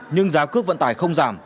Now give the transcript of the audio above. nhưng giá cước vận tải không giảm